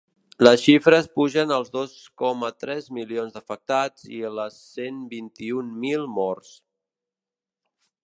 Les xifres pugen als dos coma tres milions d’afectats i a les cent vint-i-un mil morts.